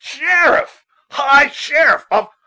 Sheriff! High Sheriff of